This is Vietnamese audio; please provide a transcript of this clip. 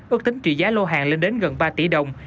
ước tính trị giá lô hàng lên đến gần ba tỷ đồng